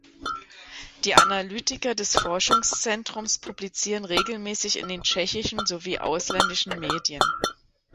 Die Analytiker des Forschungszentrums publizieren regelmäßig in den tschechischen sowie ausländischen Medien.